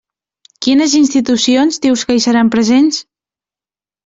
Quines institucions dius que hi seran presents?